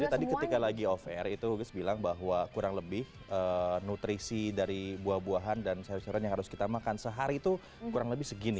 jadi tadi ketika lagi off air itu uges bilang bahwa kurang lebih nutrisi dari buah buahan dan sayuran sayuran yang harus kita makan sehari itu kurang lebih segini